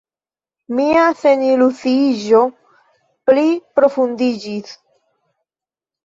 Mia seniluziiĝo pliprofundiĝis.